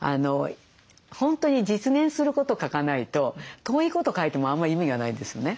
本当に実現すること書かないと遠いこと書いてもあんま意味がないんですよね。